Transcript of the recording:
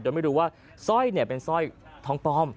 โดยไม่รู้ว่าสร้อยเป็นสร้อยท้องปลอม